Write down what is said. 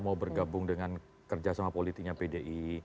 mau bergabung dengan kerjasama politiknya pdi